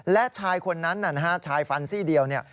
และชายคนนั้นนะฮะชายฟันซี่เดียวเนี่ย